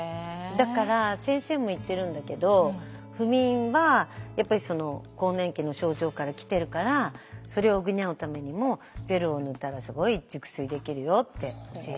だから先生も言ってるんだけど不眠はやっぱりその更年期の症状から来てるからそれを補うためにもジェルを塗ったらすごい熟睡できるよって教えてくれたのですごい助かってる。